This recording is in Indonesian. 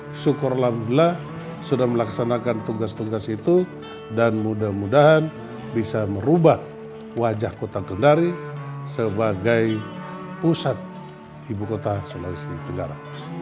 bersyukur alhamdulillah sudah melaksanakan tugas tugas itu dan mudah mudahan bisa merubah wajah kota kendari sebagai pusat ibu kota sulawesi tenggara